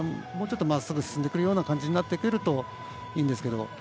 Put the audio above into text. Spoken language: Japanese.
もうちょっとまっすぐ進んでくるような感じになるといいんですが。